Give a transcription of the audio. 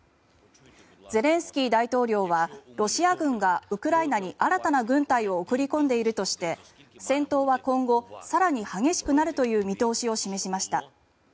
ゼレンスキー大統領はロシア軍がウクライナに新たな軍隊を送り込んでいるとして戦闘は今後、更に激しくなるという見通しを示しました。